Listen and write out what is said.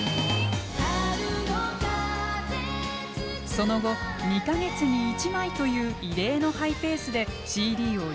その後２か月に１枚という異例のハイペースでＣＤをリリース。